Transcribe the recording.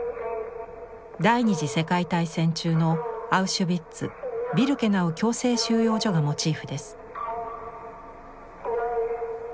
第２次世界大戦中のアウシュビッツ＝ビルケナウ強制収容所がモチーフです。